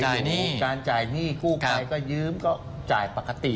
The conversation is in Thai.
ก็มีต่างจ่ายหนี้กูไปก็ยืมก็จ่ายปกติ